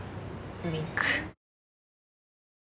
ウインク。